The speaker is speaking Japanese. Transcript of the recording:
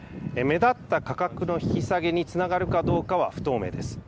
目立った価格の引き下げにつながるかどうかは不透明です。